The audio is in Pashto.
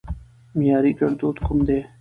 معياري ګړدود کوم دي؟